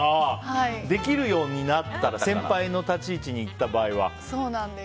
できるようになったら先輩の立ち位置に行った場合はと。